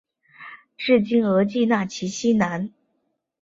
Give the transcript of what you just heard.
治今额济纳旗西南。